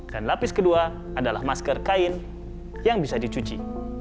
dan lapis kedua adalah masker kain yang bisa dicuci